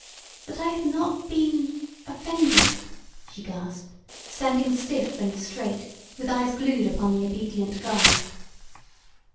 "That I had not been offended!" she gasped, standing stiff and straight, with eyes glued upon the obedient guard.